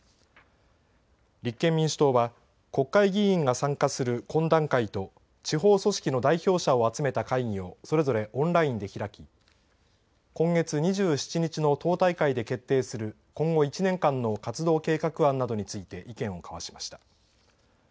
立憲民主党は国会議員が参加する懇談会と地方組織の代表者を集めた会議をそれぞれオンラインで開き今月２７日の党大会で決定する今後１年間の活動計画案などについて意見を交わしました。